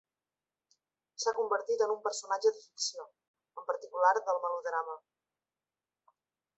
S'ha convertit en un personatge de ficció, en particular del melodrama.